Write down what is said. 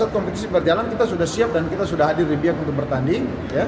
kompetisi berjalan kita sudah siap dan kita sudah hadir di pihak untuk bertanding